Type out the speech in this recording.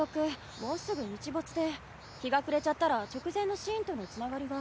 もうすぐ日没で日が暮れちゃったら直前のシーンとのつながりが。